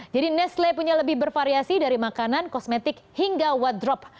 jadi nestle punya lebih bervariasi dari makanan kosmetik hingga wadrop